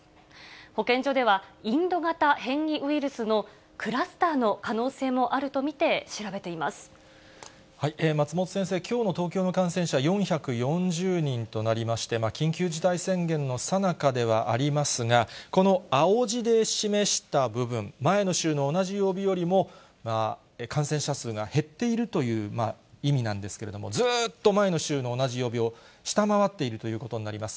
保健所では、インド型変異ウイルスのクラスターの可能性もあると見て調べてい松本先生、きょうの東京の感染者４４０人となりまして、緊急事態宣言のさなかではありますが、この青字で示した部分、前の週の同じ曜日よりも、感染者数が減っているという意味なんですけれども、ずーっと前の週の同じ曜日を下回っているということになります。